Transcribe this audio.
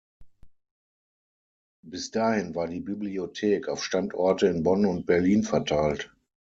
Bis dahin war die Bibliothek auf Standorte in Bonn und Berlin verteilt.